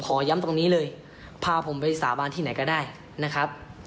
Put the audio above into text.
ขอย้ำตรงนี้เลยพาผมไปสาบานที่ไหนก็ได้นะครับ